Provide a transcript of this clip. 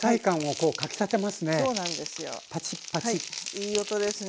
いい音ですね。